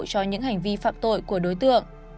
cho những hành vi phạm tội của đối tượng